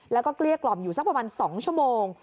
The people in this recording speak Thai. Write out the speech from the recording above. แล้วก็เกลี้ยกล่อมอยู่สักประมาณ๒ชั่วโมง